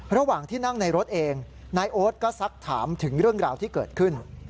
ระหว่างที่นั่งในรถเองนายโอ๊ตก็ซักถามถึงเรื่องราวที่เกิดขึ้น